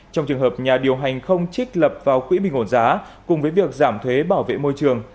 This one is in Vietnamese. trong trường hợp nhà điều hành không trích lập vào quỹ bình ổn giá cùng với việc giảm thuế bảo vệ môi trường